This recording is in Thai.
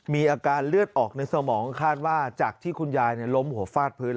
มีอาการเลือดออกในสมองคาดว่าจากที่คุณยายล้มหัวฟาดพื้น